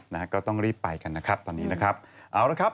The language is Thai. น่าก็ต้องรีบไปกันนะครับตอนนี้นะครับ